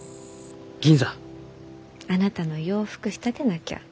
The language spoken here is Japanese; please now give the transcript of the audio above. あなたの洋服仕立てなきゃ。